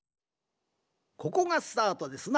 ここがスタートですな。